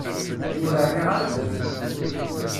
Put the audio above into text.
Ur rriɣ ara ddhen.